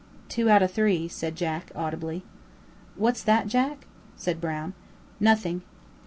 "Two out of three," said Jack, audibly. "What's that, Jack?" said Brown. "Nothing."